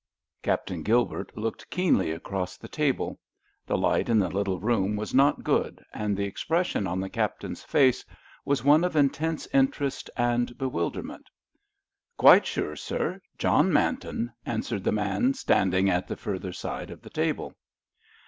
Captain Gilbert looked keenly across the table. The light in the little room was not good, and the expression on the Captain's face was one of intense interest and bewilderment. "Quite sure, sir—John Manton," answered the man standing at the further side of the table.